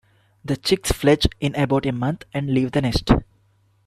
The chicks fledge in about a month and leave the nest.